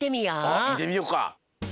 あっみてみようか。